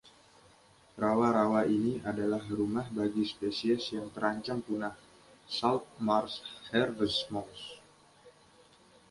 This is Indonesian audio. Rawa-rawa ini adalah rumah bagi spesies yang terancam punah, Salt Marsh Harvest Mouse.